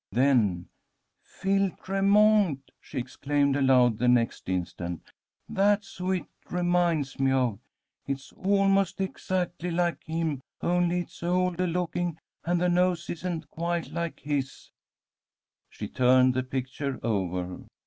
Then, "Phil Tremont!" she exclaimed aloud the next instant. "That's who it reminds me of. It is almost exactly like him, only it is oldah looking, and the nose isn't quite like his." She turned the picture over.